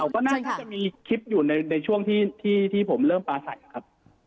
ก็น่าจะมีคลิปอยู่ในช่วงที่ผมเริ่มปลาใสครับ